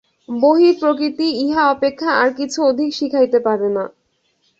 বহিঃপ্রকৃতি ইহা অপেক্ষা আর কিছু অধিক শিখাইতে পারে না।